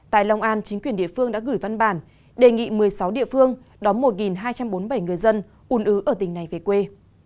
tại long an chính quyền địa phương đã gửi văn bản đề nghị một mươi sáu địa phương đón một hai trăm bốn mươi bảy người dân ùn ứ ở tỉnh này về quê